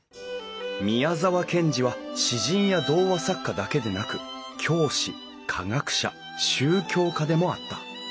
宮沢賢治は詩人や童話作家だけでなく教師科学者宗教家でもあった。